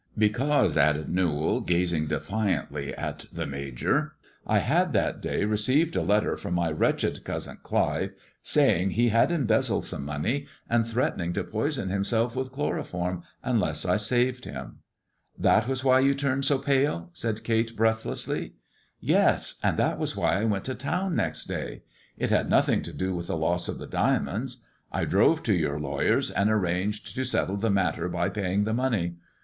" Because," added Kewall, gazing defiantly at the Major, " I had that day received a letter from my wretched cousin Clive saying he had embezzled some money, and threatening to poison himself with chloroform unleas I saved him." 358 THE IVORY LEG AND THE DIAMONDS '' That was why you turned so pale? " said Kate breath lessly. Yes ! and that was why I went to town next day. It had nothing to do with the loss of the diamonds. I drove to your lawyers and arranged to settle the matter by paying the money.